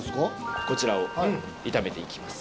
こちらを炒めていきます